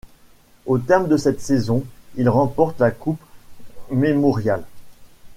Au terme de cette saison il remporte la Coupe Memorial.